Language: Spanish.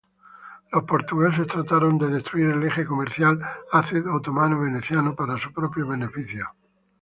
Los portugueses trataron de destruir el eje comercial Aceh-otomano-veneciano para su propio beneficio.